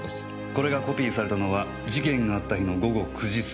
これがコピーされたのは事件があった日の午後９時過ぎ。